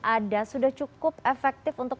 ada sudah cukup efektif untuk